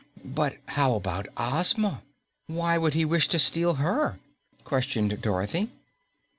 "But how about Ozma? Why would he wish to steal HER?" questioned Dorothy.